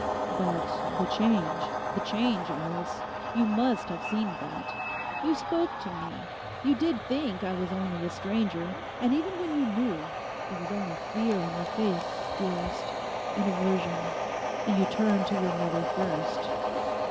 'But the change—the change, Alice! You must have seen that. You spoke to me, you did think I was only a stranger; and even when you knew, it was only fear on your face, dearest, and aversion; and you turned to your mother first.